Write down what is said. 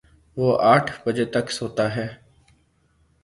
وہ آٹھ بجے تک سوتا ہے